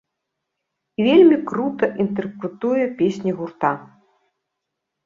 І вельмі крута інтэрпрэтуе песні гурта.